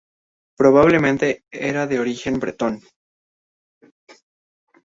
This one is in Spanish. Probablemente era de origen bretón.